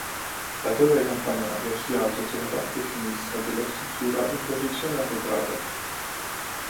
La torre campanaria si alza sulla parte sinistra della struttura in posizione arretrata.